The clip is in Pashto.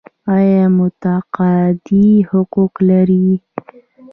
آیا متقاعدین حقوق لري؟